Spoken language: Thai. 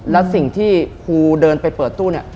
แล้วสิ่งที่ครูเดินไปเปิดตู้เนี่ย